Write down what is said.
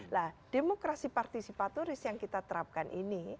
nah demokrasi partisipaturis yang kita terapkan ini